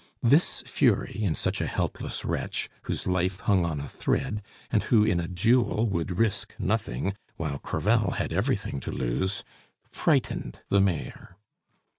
This fury in such a helpless wretch, whose life hung on a thread, and who in a duel would risk nothing while Crevel had everything to lose, frightened the Mayor.